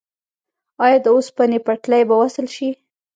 آیا د اوسپنې پټلۍ به وصل شي؟